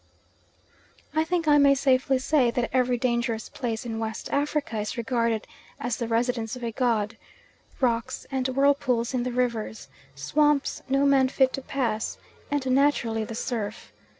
I think I may safely say that every dangerous place in West Africa is regarded as the residence of a god rocks and whirlpools in the rivers swamps "no man fit to pass" and naturally, the surf.